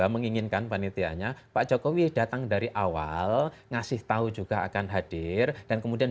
menginginkan panitianya pak jokowi datang dari awal ngasih tahu juga akan hadir dan kemudian